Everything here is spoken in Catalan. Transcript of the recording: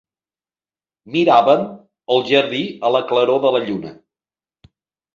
Miràvem el jardí a la claror de la lluna.